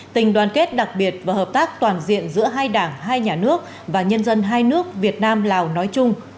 tình đoàn kết đặc biệt và hợp tác toàn diện giữa hai đảng hai nhà nước và nhân dân hai nước việt nam lào nói chung